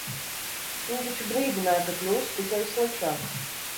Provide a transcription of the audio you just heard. Viņa taču brīdināja, ka kļūs tikai sliktāk.